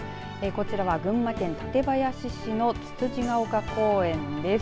こちらは群馬県館林市のつつじが岡公園です。